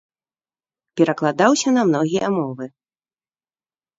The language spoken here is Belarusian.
Перакладаўся на многія мовы.